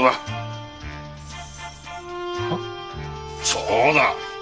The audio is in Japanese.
そうだ。